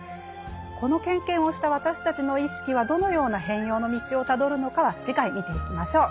この経験をした私たちの意識はどのような変容の道をたどるのかは次回見ていきましょう。